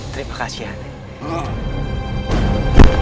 terima kasih andi